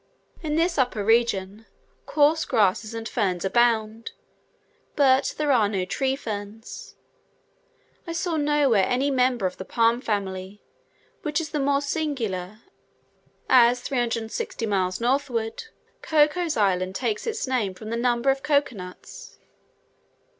In this upper region coarse grasses and ferns abound; but there are no tree ferns: I saw nowhere any member of the palm family, which is the more singular, as 360 miles northward, Cocos Island takes its name from the number of cocoa nuts.